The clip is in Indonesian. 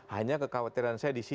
hanya kekhawatiran saya disini